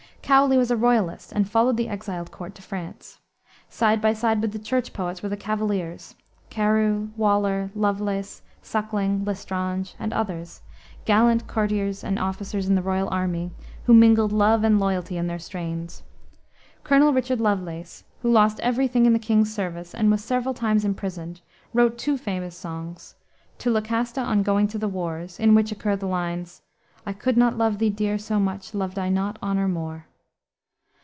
Cowley was a royalist and followed the exiled court to France. Side by side with the Church poets were the cavaliers Carew, Waller, Lovelace, Suckling, L'Estrange, and others gallant courtiers and officers in the royal army, who mingled love and loyalty in their strains. Colonel Richard Lovelace, who lost every thing in the king's service and was several times imprisoned, wrote two famous songs To Lucasta on going to the Wars in which occur the lines, "I could not love thee, dear, so much, Loved I not honor more."